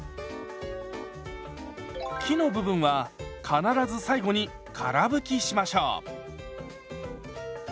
木の部分は必ず最後にから拭きしましょう。